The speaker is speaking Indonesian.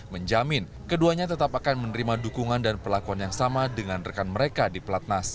menjamin keduanya tetap akan menerima dukungan dan perlakuan yang sama dengan rekan mereka di platnas